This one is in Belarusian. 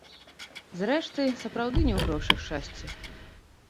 Зрэшты, сапраўды не ў грошах шчасце.